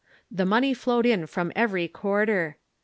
The money flowed in from every quarter.